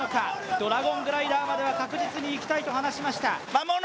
ドラゴングライダーまでは確実に行きたいと話しました。